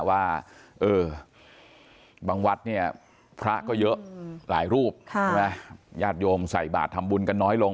ว่าเออบางวัดเนี่ยพระก็เยอะหลายรูปใช่ไหมญาติโยมใส่บาททำบุญกันน้อยลง